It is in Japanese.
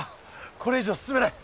これ以上進めない。